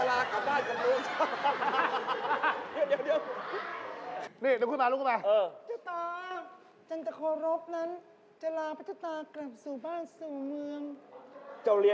แล้วเป็นอะไรน่ะแล้วเราน่ะเป็นลูกสิทธิ์อาจารย์